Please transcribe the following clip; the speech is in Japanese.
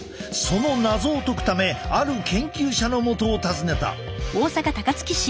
その謎を解くためある研究者のもとを訪ねた。